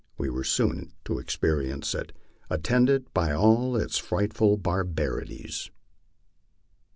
We were soon to experience it, &ttended by all its frightful barbarities.